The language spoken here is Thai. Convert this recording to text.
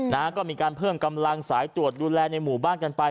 นะฮะก็มีการเพิ่มกำลังสายตรวจดูแลในหมู่บ้านกันไป